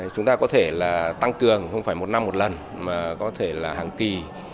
chúng ta có thể là tăng cường không phải một năm một lần mà có thể là hàng kỳ